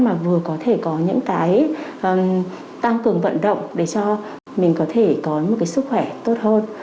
mà vừa có thể có những cái tăng cường vận động để cho mình có thể có một cái sức khỏe tốt hơn